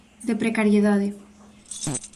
De precariedade.